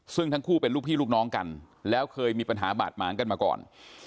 ซึ่งทั้งคู่เป็นลูกพี่ลูกน้องกันแล้วเคยมีปัญหาบาดหมางกันมาก่อน